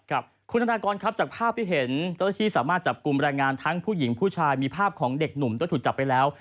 ครับคุณธนากรครับจากภาพที่เห็นเจ้าหน้าที่สามารถจับกลุ่มแรงงานทั้งผู้หญิงผู้ชายมีภาพของเด็กหนุ่มโดยถูกจับไปแล้ว